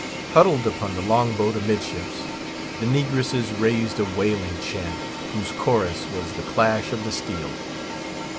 Huddled upon the long boat amidships, the negresses raised a wailing chant, whose chorus was the clash of the steel.